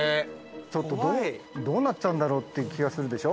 ちょっとどうなっちゃうんだろうっていう気がするでしょ。